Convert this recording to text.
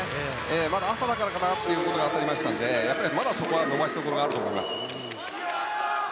まだ朝だからということだったのでまだそこは伸ばしどころがあると思います。